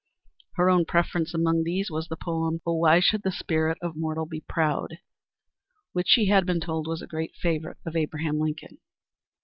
Her own preference among these was the poem, "O why should the spirit of mortal be proud?" which she had been told was a great favorite of Abraham Lincoln.